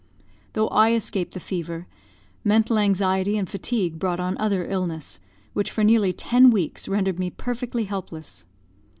Though I escaped the fever, mental anxiety and fatigue brought on other illness, which for nearly ten weeks rendered me perfectly helpless.